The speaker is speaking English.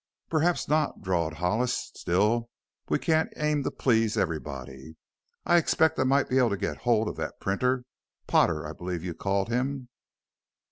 "Perhaps not," drawled Hollis; "still, we can't aim to please everybody. I expect I might be able to get hold of that printer Potter I believe you called him?"